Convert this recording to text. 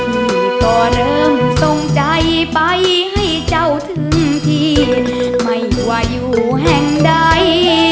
นี่ก็เริ่มทรงใจไปให้เจ้าถึงที่ไม่ว่าอยู่แห่งใด